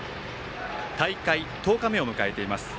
大会１０日目を迎えています。